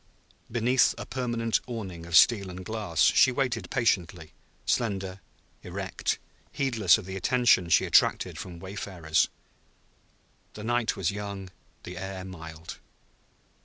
Beneath a permanent awning of steel and glass she waited patiently, slender, erect, heedless of the attention she attracted from wayfarers. The night was young, the air mild.